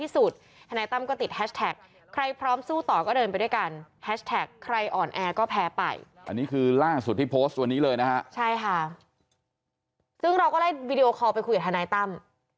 ซึ่งเราก็ได้วีดีโอคอลไปคุยกับทนายตั้ม